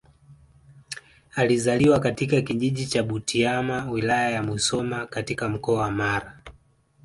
Alizaliwa katika kijiji cha Butiama Wilaya ya Musoma katika Mkoa wa Mara